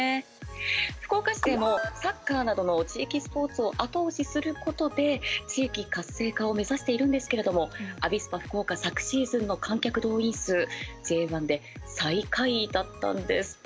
福岡市でもサッカーなどの地域スポーツを後押しすることで地域活性化を目指しているんですけれどもアビスパ福岡昨シーズンの観客動員数Ｊ１で最下位だったんです。